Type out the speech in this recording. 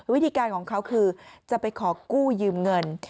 วิธีการของเขาคือจะไปขอกู้ยืมเงิน